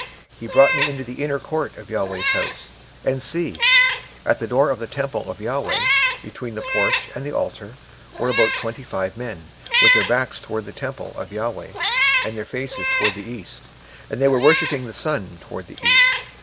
26:008:016 And he brought me into the inner court of the LORD's house, and, behold, at the door of the temple of the LORD, between the porch and the altar, were about five and twenty men, with their backs toward the temple of the LORD, and their faces toward the east; and they worshipped the sun toward the east.